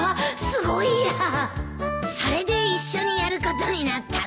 すごいやそれで一緒にやることになったんだ。